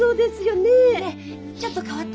ねえちょっと代わって。